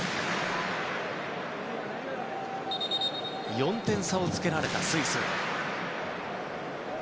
４点差をつけられたスイス。